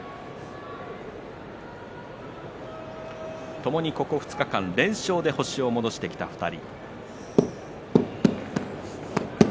ともに、ここ２日間、連勝で星を戻してきた２人。